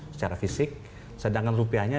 secara fisik sedangkan rupiahnya